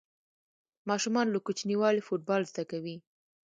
ماشومان له کوچنیوالي فوټبال زده کوي.